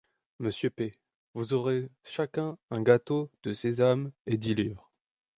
Monsieur P. « Vous aurez chacun un gâteau de Sésame et dix livres.